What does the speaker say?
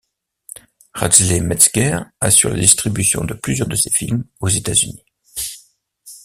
Radley Metzger assure la distribution de plusieurs de ses films aux États-Unis.